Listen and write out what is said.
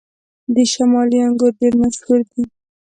د شمالي انګور ډیر مشهور دي